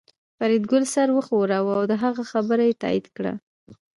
فریدګل سر وښوراوه او د هغه خبره یې تایید کړه